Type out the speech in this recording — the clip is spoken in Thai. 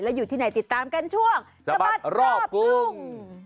อยู่ที่ไหนติดตามกันช่วงสะบัดรอบกรุง